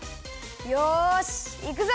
よしいくぞ！